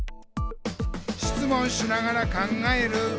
「しつもんしながら考える！」